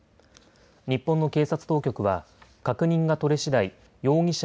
日本の警察当局は確認が取れしだい容疑者